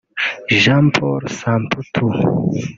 Jean Paul Samputu